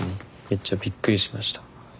めっちゃびっくりしました。